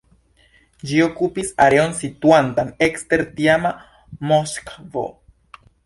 Ĝi okupis areon situantan ekster tiama Moskvo.